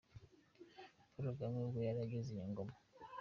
Paul Kagame ubwo yari ageze i Ngoma.